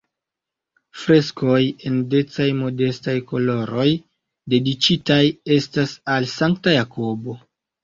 Freskoj en decaj-modestaj koloroj dediĉitaj estas al Sankta Jakobo.